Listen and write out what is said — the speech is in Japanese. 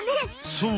そう！